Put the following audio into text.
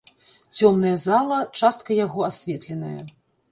Цёмная зала, частка яго асветленая.